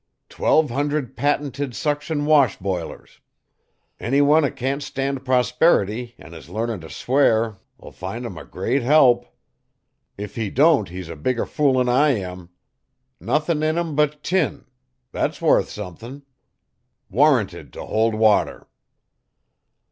Twelve hunderd patented suction Wash Bilers. Anyone at can't stan' prosperity an' is learnin' if swear 'll find 'em a great help. If he don't he's a bigger fool 'n I am. Nuthin' in 'em but tin that's wuth somethin'. Warranted t' hold water."